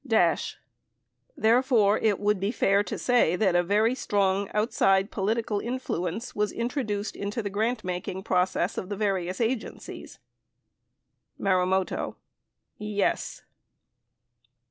Dash. Therefore, it would be fair to say that a very strong outside political influence was introduced in the grantmaking process of the various agencies. Marumoto. Yes.